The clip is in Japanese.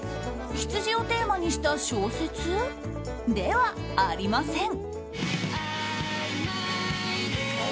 羊をテーマにした小説ではありません。